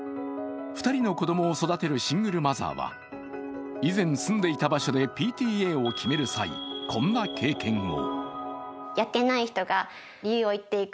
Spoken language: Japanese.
２人の子供を育てるシングルマザーは、以前住んでいた場所でＰＴＡを決める際、こんな経験を。